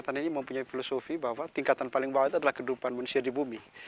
tingkat ini mempunyai filosofi bahwa tingkat paling bawah itu adalah kedudukan manusia di bumi